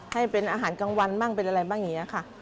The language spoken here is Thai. ให้เป็นอาหารกลางวันบ้างเป็นอะไรบ้างอย่างนี้ค่ะ